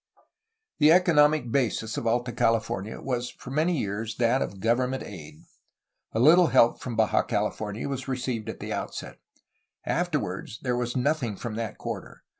The economic basis of Alta CaUfornia was for many years that of government aid. A Uttle help from Baja California was received at the outset; afterwards, there was nothing from that quarter.